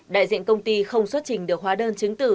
đại diện công ty không xuất trình được hóa đơn chứng tử